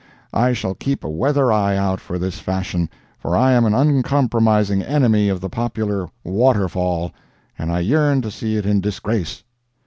I shall keep a weather eye out for this fashion, for I am an uncompromising enemy of the popular "waterfall," and I yearn to see it in disgrace.